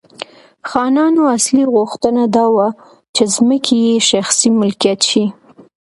خانانو اصلي غوښتنه دا وه چې ځمکې یې شخصي ملکیت شي.